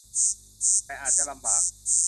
แต่อาจจะลำบาก